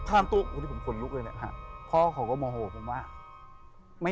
พ่อเขาก็โมโหผมว่า